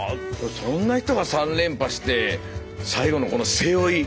そんな人が３連覇して最後のこの背負い。